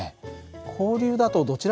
交流だとどちら